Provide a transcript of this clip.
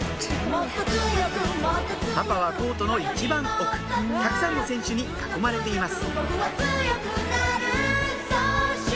パパはコートの一番奥たくさんの選手に囲まれています